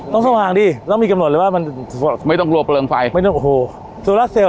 สว่างดิต้องมีกำหนดเลยว่ามันไม่ต้องรัวเปลืองไฟไม่ต้องโอ้โหโซลาเซลล